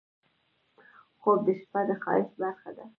خوب د شپه د ښایست برخه ده